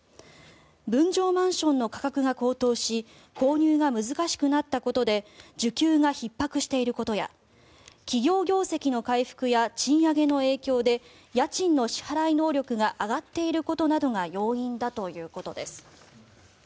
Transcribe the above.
分譲マンションの価格が高騰し購入が難しくなったことで需給がひっ迫していることや企業業績の回復や賃上げの影響で家賃の支払い能力が上がっていることなどが要因だということです。